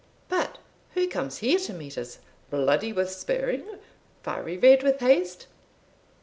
But who comes here to meet us, 'bloody with spurring, fiery red with haste?'